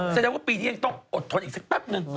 แสดงว่าปีนี้ยังต้องอดทนอีกสักแป๊บนึง